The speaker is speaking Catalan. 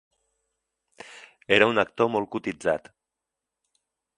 Era un actor molt cotitzat.